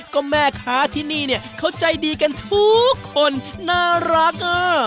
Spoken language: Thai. ก็แม่ขาที่นี่เขาใจดีกันทุกคนน่ารัก